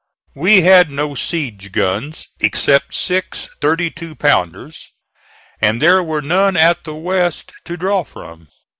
We had no siege guns except six thirty two pounders, and there were none at the West to draw from.